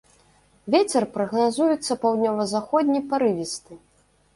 Вецер прагназуецца паўднёва-заходні парывісты.